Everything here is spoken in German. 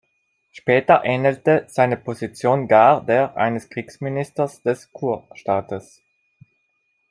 Später ähnelte seine Position gar der eines Kriegsministers des Kurstaates.